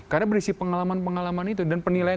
karena berisi pengalaman pengalaman itu dan penilaian